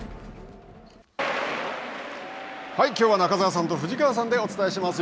きょうは中澤さんと藤川さんでお伝えします。